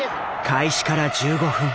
開始から１５分。